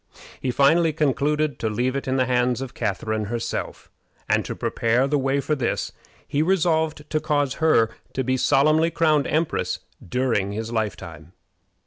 He finally concluded to leave it in the hands of Catharine herself, and, to prepare the way for this, he resolved to cause her to be solemnly crowned empress during his lifetime.